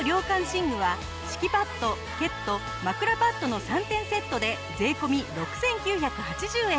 寝具は敷きパッドケット枕パッドの３点セットで税込６９８０円。